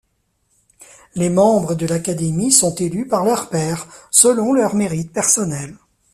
Les membres de l’Académie sont élus par leurs pairs, selon leurs mérites personnels.